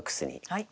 はい。